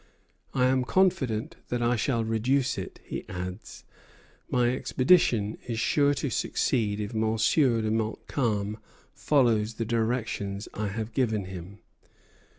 "I am confident that I shall reduce it," he adds; "my expedition is sure to succeed if Monsieur de Montcalm follows the directions I have given him."